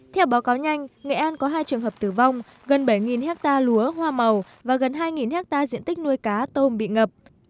theo báo cáo nhanh nghệ an có hai trường hợp tử vong gần bảy hectare lúa hoa màu và gần hai hectare diện tích nuôi cá tôm bị ngập